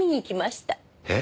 えっ！？